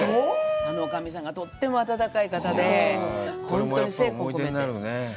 あの女将さんがとっても温かい方で、本当に精魂込めて。